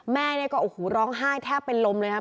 แม่ก็โอโหหร้องห้ายแทบเป็นลมเลยนะครับ